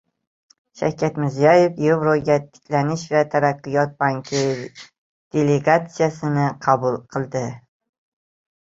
Shavkat Mirziyoyev Yevropa tiklanish va taraqqiyot banki delegatsiyasini qabul qildi